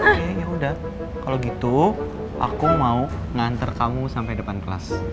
oke yaudah kalo gitu aku mau nganter kamu sampe depan kelas